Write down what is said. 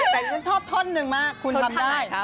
แต่ฉันชอบท่อนนึงมากคุณทำได้ครับอู๋ท่อนท่านไหนครับ